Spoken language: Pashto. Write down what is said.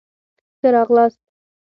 ښه را غلاست